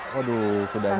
waduh kudanya tuh